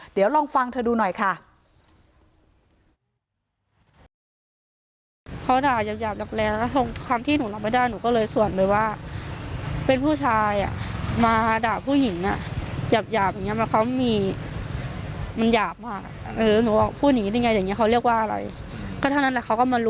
เดี๋ยวลองฟังเธอดูหน่อยค่ะ